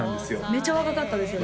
めちゃ若かったですよね